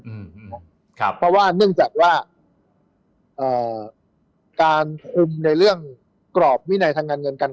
อืมครับเพราะว่าเนื่องจากว่าเอ่อการคุมในเรื่องกรอบวินัยทางการเงินการ